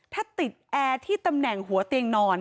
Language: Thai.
ถ้าติดแอร์ที่ตำแหน่งหัวเตียงนอน